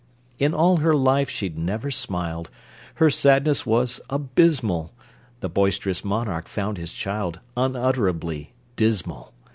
In all her life she'd never smiled, Her sadness was abysmal: The boisterous monarch found his child Unutterably dismal.